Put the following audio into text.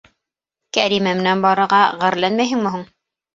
— Кәримә менән барырға ғәрләнмәйһеңме һуң?